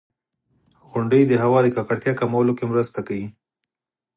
• غونډۍ د هوا د ککړتیا کمولو کې مرسته کوي.